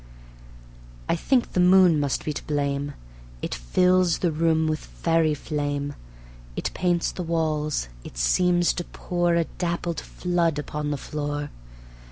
I think the moon must be to blame: It fills the room with fairy flame; It paints the wall, it seems to pour A dappled flood upon the floor.